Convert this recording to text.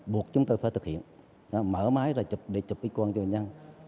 buộc chúng tôi phải thực hiện mở máy để chụp x quang cho bệnh nhân